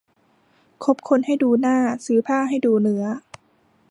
คบคนให้ดูหน้า ซื้อผ้าให้ดูเนื้อ